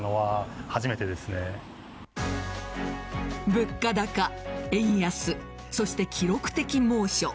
物価高、円安そして記録的猛暑。